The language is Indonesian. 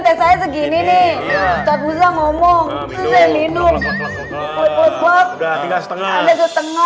teks saya segini nih ustadz ustadz ngomong terus saya minum udah tiga setengah tiga setengah